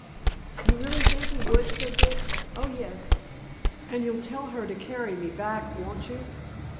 "You really think he would?" said Dick. "Oh, yes; and you'll tell her to carry me back, won't you?"